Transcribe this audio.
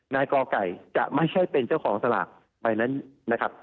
กไก่จะไม่ใช่เป็นเจ้าของสลากใบนั้นนะครับ